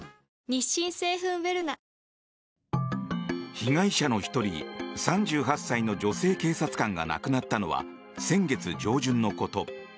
被害者の１人、３８歳の女性警察官が亡くなったのは先月上旬のこと。